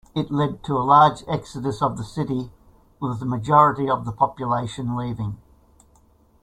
It led to a large exodus of the city, with a majority of the population leaving.